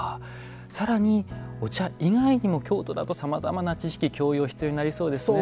更にお茶以外にも京都だとさまざまな知識・教養必要になりそうですね。